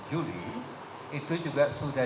juli itu juga sudah